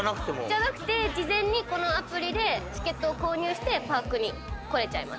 じゃなくて事前にこのアプリでチケットを購入してパークに来れちゃいます。